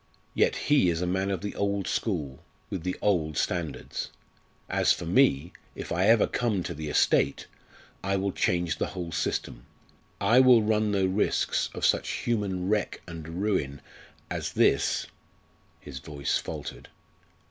Yet he is a man of the old school, with the old standards. As for me, if ever I come to the estate I will change the whole system, I will run no risks of such human wreck and ruin as this " His voice faltered.